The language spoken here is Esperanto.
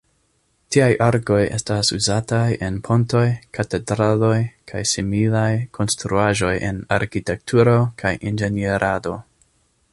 Tiaj arkoj estas uzataj en pontoj, katedraloj kaj similaj konstruaĵoj en arkitekturo kaj inĝenierado.